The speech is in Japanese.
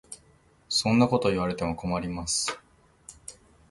そんなこと言われても困ります。